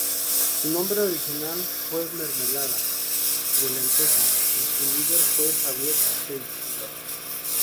Su nombre original fue Mermelada de Lentejas y su líder fue Javier Teixidor.